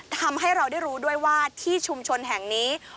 ทำให้เราได้รู้ด้วยว่าที่ชุมชนแห่งนี้